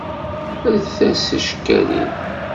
Rret-as ticekkalin.